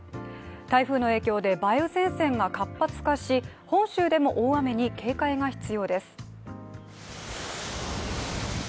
台風の影響で梅雨前線が活発化し本州でも大雨に警戒が必要です。